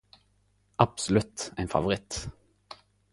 Absolutt ein favoritt!